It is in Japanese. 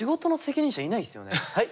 はい？